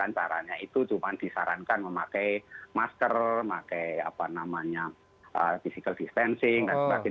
misalnya caranya itu cuma disarankan memakai masker memakai apa namanya physical distancing dan sebagainya